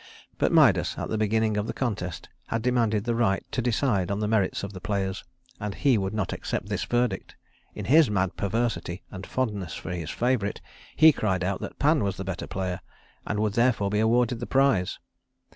But Midas at the beginning of the contest had demanded the right to decide on the merits of the players, and he would not accept this verdict. In his mad perversity and fondness for his favorite, he cried out that Pan was the better player, and would therefore be awarded the prize.